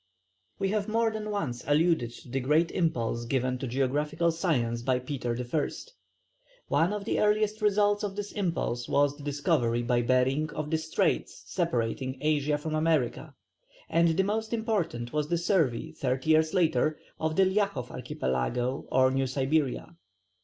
We have more than once alluded to the great impulse given to geographical science by Peter I. One of the earliest results of this impulse was the discovery by Behring of the straits separating Asia from America, and the most important was the survey thirty years later of the Liakhov Archipelago, or New Siberia.